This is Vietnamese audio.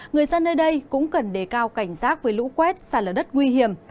người dân nơi đây cũng cần đề cao cảnh giác với lũ quét sạt lở đất nguy hiểm